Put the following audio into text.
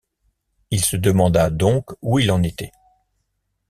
Il se demanda donc où il en était.